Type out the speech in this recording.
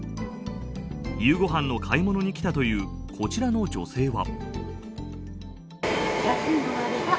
夕ご飯の買い物に来たというこちらの女性は。